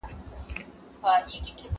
زه به سبا انځورونه رسم کړم؟!